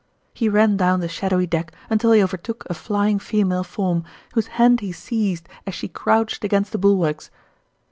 He ran down the shadowy deck until he overtook a flying female form, whose hand he seized as she crouched against the bul warks.